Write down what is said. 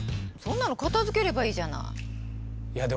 そんなの片づければいいじゃない。